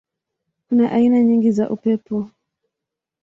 Kuna aina nyingi za upepo.